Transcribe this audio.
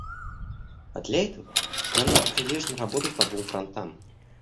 А для этого нам надо прилежно работать по двум фронтам.